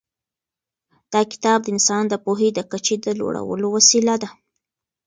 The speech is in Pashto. دا کتاب د انسان د پوهې د کچې د لوړولو وسیله ده.